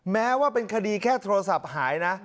แม้ว่าเป็นคดีแค่โทรศัพท์หายนะ